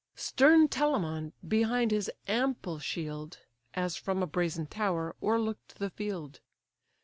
Stern Telamon behind his ample shield, As from a brazen tower, o'erlook'd the field.